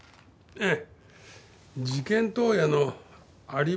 ええ。